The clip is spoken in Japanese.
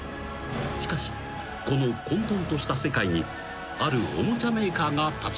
［しかしこの混沌とした世界にあるおもちゃメーカーが立ち上がった］